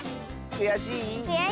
くやしい。